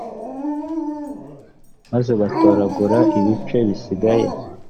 maz batoragura ibice bisigaye